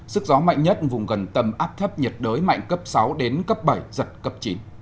sức gió mạnh nhất vùng gần tâm áp thấp nhiệt đới mạnh cấp sáu đến cấp bảy giật cấp chín